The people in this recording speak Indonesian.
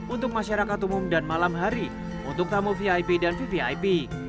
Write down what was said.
untuk masyarakat umum dan malam hari untuk tamu vip dan vvip